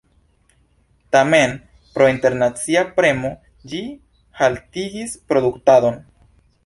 Tamen pro internacia premo ĝi haltigis produktadon.